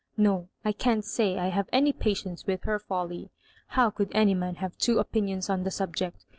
No, I can*t say I have any patience with her folly. How could any man have two opinions on the sohjeot?